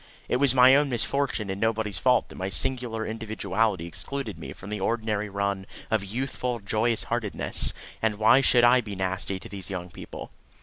It was my own misfortune and nobody's fault that my singular individuality excluded me from the ordinary run of youthful joyous heartednesses, and why should I be nasty to these young people?